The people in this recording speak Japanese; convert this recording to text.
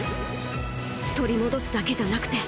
取り戻すだけじゃなくて。